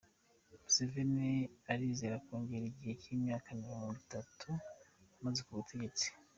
Museveni arizera kongera igihe cy’imyaka mirongo itatu amaze ku butegetsi.